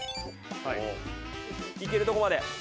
いけるとこまで。